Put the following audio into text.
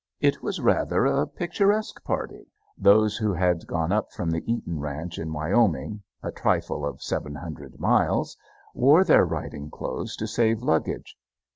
It was rather a picturesque party. Those who had gone up from the Eaton ranch in Wyoming a trifle of seven hundred miles wore their riding clothes to save luggage.